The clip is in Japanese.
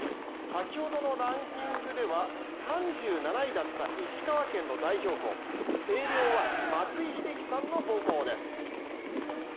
先ほどのランキングでは３７位だった石川県の代表校星稜は松井秀喜さんの母校です。